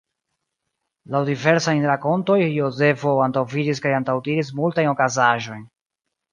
Laŭ diversajn rakontoj Jozefo antaŭvidis kaj antaŭdiris multajn okazaĵojn.